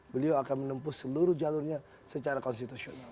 beliau akan menempuh seluruh jalurnya secara konstitusional